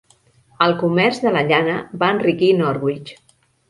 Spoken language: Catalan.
El comerç de la llana va enriquir Norwich.